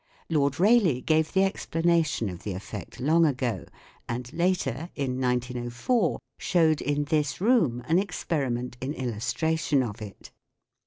Lord Rayleigh gave the explanation of the effect long ago, and later (in 1904) showed in this room an experiment in illustration of it.